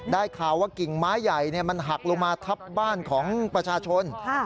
ได้ข่าวว่ากิ่งไม้ใหญ่มันหักลงมาทับบ้านของประชาชน